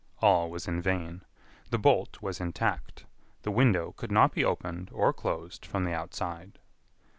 All was in vain. The bolt was intact. The window could not be opened or closed from the outside.